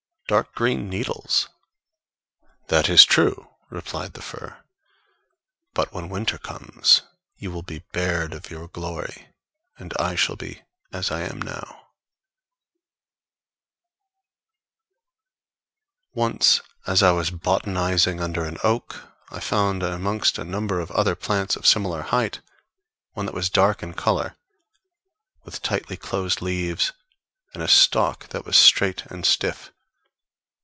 Dark green needles! That is true_, replied the fir, but when winter comes, you will be bared of your glory; and I shall be as I am now. Once, as I was botanizing under an oak, I found amongst a number of other plants of similar height one that was dark in color, with tightly closed leaves and a stalk that was very straight and stiff.